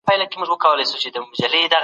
وزیرانو ولایاتو ته سفرونه کول.